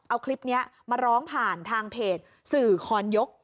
เอาคลิปนี้มาร้องผ่านทางเพจสื่อคอนยก